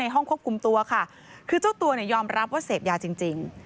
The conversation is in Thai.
ในห้องควบคุมตัวคือเจ้าตัวยอมรับว่าเสพยาจริง